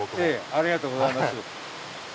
ありがとうございます。